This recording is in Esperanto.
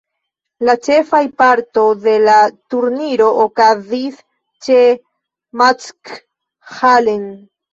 La ĉefaj parto de la turniro okazis ĉe Mackhallen.